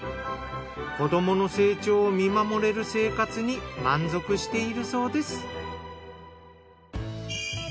子どもの成長を見守れる生活に満足しているそうです。